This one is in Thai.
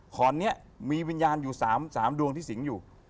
ขอนนี้มีวิญญาณอยู่๓ดวงที่สิงห์อยู่